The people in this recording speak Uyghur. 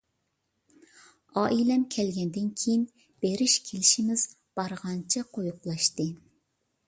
ئائىلەم كەلگەندىن كېيىن بېرىش-كېلىشىمىز بارغانچە قويۇقلاشتى.